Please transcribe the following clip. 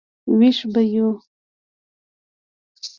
وېښ به یو.